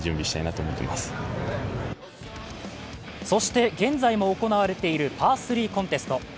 そして現在も行われているパー３コンテスト。